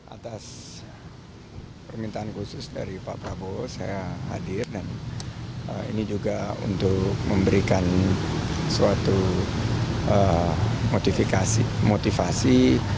atas permintaan khusus dari pak prabowo saya hadir dan ini juga untuk memberikan suatu motivasi